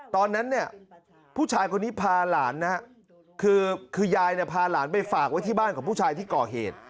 ตอนนั้นเนี่ยผู้ชายคนนี้พาหลานนะคือยายพาหลานไปฝากไว้ที่บ้านของผู้ชายที่ก่อเหตุ